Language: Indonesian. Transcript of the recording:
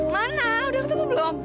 mana udah ketemu belum